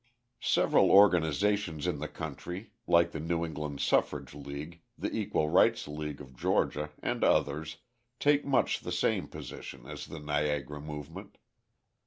Several organisations in the country, like the New England Suffrage League, the Equal Rights League of Georgia, and others, take much the same position as the Niagara movement.